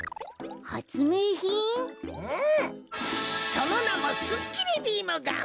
そのなもすっきりビームガン。